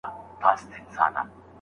آیا مچۍ تر غوماشي ګټوره ده؟